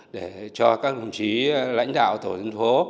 để cho các công chí lãnh đạo tổ dân phố